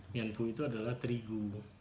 mian fu itu adalah terigu